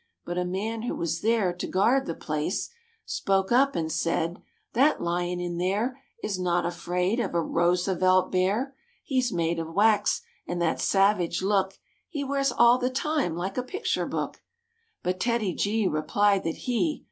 But a man who was there to guard up and said, "That lion in there Is not afraid of a Roosevelt Bear; He's made of wax, and that savage look He wears all the time like a picture book." But TEDDY G replied that he.